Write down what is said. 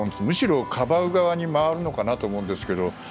むしろ、かばう側に回るのかなと思うんですけど。